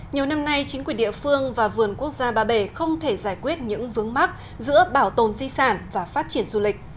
nhiều năm nay chính quyền địa phương và vườn quốc gia ba bể không thể giải quyết những vướng mắt giữa bảo tồn di sản và phát triển du lịch